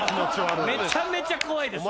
めちゃめちゃ怖いです。